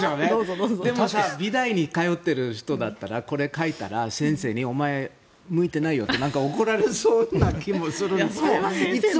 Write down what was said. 美大に通っている人だったら先生にお前、向いてないよって怒られそうな気がする。